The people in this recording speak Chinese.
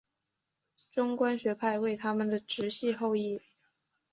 中观学派为他们的直系后裔。